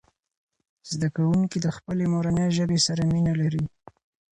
زده کوونکي د خپلې مورنۍ ژبې سره مینه لري.